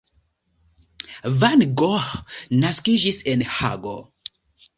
Van Gogh naskiĝis en Hago.